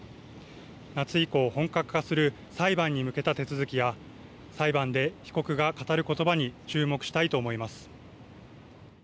夏以降、本格化する裁判に向けた手続きや裁判で被告が語ることばに注目したいと思います。